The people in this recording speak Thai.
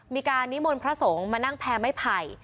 มีการนิมลพระสงฆ์มานั่งแพงไม่ไผ่